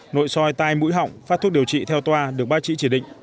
nội soi tai mũi họng phát thuốc điều trị theo toa được ba trị chỉ định